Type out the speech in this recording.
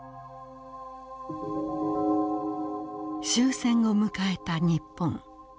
終戦を迎えた日本。